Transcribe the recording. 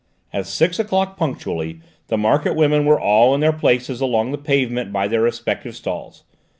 At six o'clock punctually the market women were all in their places along the pavement by their respective stalls.